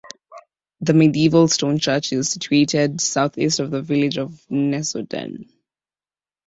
The medieval stone church is situated southeast of the village of Nesodden.